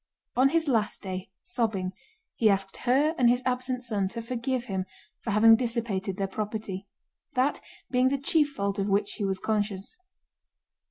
On his last day, sobbing, he asked her and his absent son to forgive him for having dissipated their property—that being the chief fault of which he was conscious.